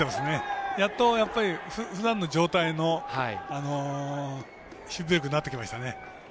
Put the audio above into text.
やっとふだんの状態の守備力になってきましたね。